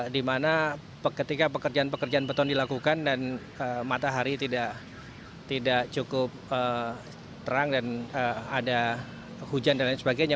di mana ketika pekerjaan pekerjaan beton dilakukan dan matahari tidak cukup terang dan ada hujan dan lain sebagainya